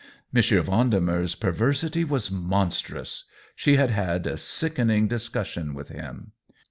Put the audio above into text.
M. Vendemer's perversity was monstrous — she had had a sickening discussion with him.